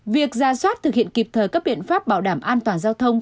việc ra soát thực hiện kịp thời các biện pháp bảo đảm an toàn giao thông